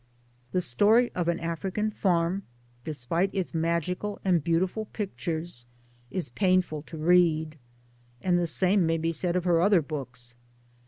The Story of an African Farm, despite its magical and beautiful pictures, is painful to read ; and the same may be said of her other book's.